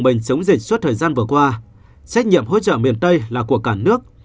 mình chống dịch suốt thời gian vừa qua trách nhiệm hỗ trợ miền tây là của cả nước